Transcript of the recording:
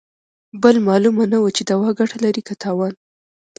بل مالومه نه وه چې دوا ګته لري که تاوان.